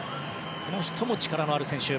この人も力のある選手。